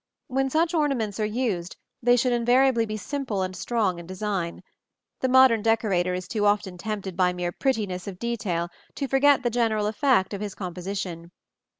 When such ornaments are used, they should invariably be simple and strong in design. The modern decorator is too often tempted by mere prettiness of detail to forget the general effect of his composition.